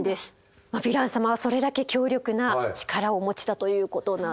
ヴィラン様はそれだけ強力な力をお持ちだということなんですね。